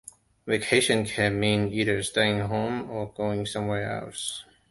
Vacation can mean either staying home or going somewhere.